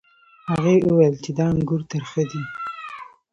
هغې وویل چې دا انګور ترخه دي.